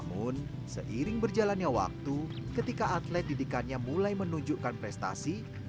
namun seiring berjalannya waktu ketika atlet didikannya mulai menunjukkan prestasi